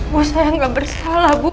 bu saya nggak bersalah bu